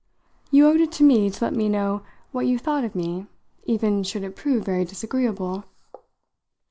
"You owed it to me to let me know what you thought of me even should it prove very disagreeable?"